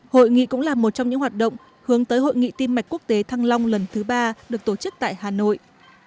hội nghị cũng là một trong những hoạt động hướng tới hội nghị tim mạch quốc tế thăng long lần thứ ba được tổ chức tại hà nội